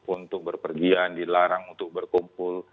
untuk berpergian dilarang untuk berkumpul